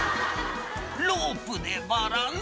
「ロープでバランス」